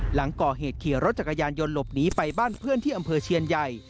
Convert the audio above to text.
หลังก่อเหตุขี่รถจักรยานยนต์หลบหนีไปบ้านเพื่อนที่อำเภอเชียนใหญ่